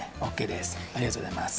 ありがとうございます。